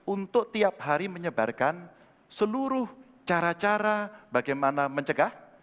untuk tiap hari menyebarkan seluruh cara cara bagaimana mencegah